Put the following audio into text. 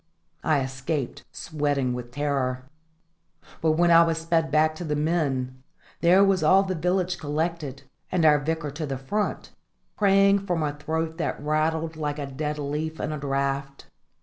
I escaped, sweating with terror; but when I was sped back to the men, there was all the village collected, and our Vicar to the front, praying from a throat that rattled like a dead leaf in a draught.